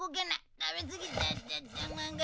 食べすぎちゃった。